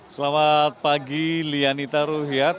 selamat pagi lianita ruhyat